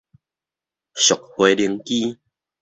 俗飛行機